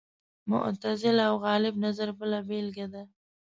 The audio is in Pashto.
معتزله او غالب نظر بله بېلګه ده